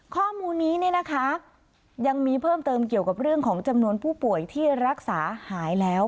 ข้อมูลนี้ยังมีเพิ่มเติมเกี่ยวกับเรื่องของจำนวนผู้ป่วยที่รักษาหายแล้ว